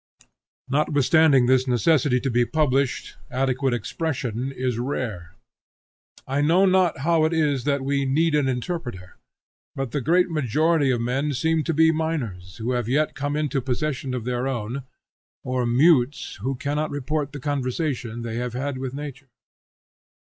Notwithstanding this necessity to be published, adequate expression is rare. I know not how it is that we need an interpreter, but the great majority of men seem to be minors, who have not yet come into possession of their own, or mutes, who cannot report the conversation they have had with nature.